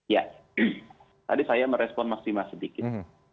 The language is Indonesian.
ya tadi saya merespon mas dimas sedikit